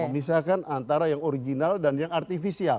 memisahkan antara yang original dan yang artificial